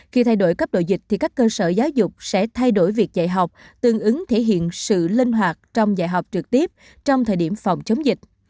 khi thay đổi cấp độ dịch thì các cơ sở giáo dục sẽ thay đổi việc dạy học tương ứng thể hiện sự linh hoạt trong dạy học trực tiếp trong thời điểm phòng chống dịch